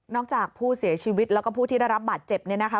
จากผู้เสียชีวิตแล้วก็ผู้ที่ได้รับบาดเจ็บ